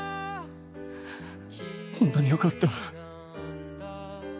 ホントによかった。